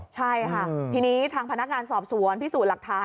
ใช่ค่ะทีนี้ทางพนักงานสอบสวนพิสูจน์หลักฐาน